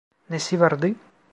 Nesi vardı?